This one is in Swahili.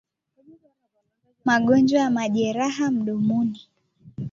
Magonjwa ya majeraha mdomoni